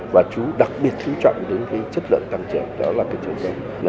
và đặc biệt chú trọng đến cái chất lượng tăng trưởng đó là cái chiều rộng